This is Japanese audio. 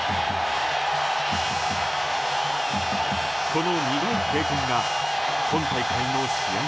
この苦い経験が今大会の試合